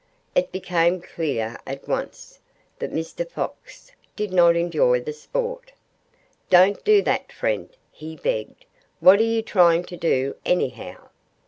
It became clear, at once, that Mr. Fox did not enjoy the sport. "Don't do that, friend!" he begged. "What are you trying to do, anyhow?"